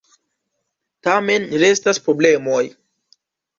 Tamen restas problemoj.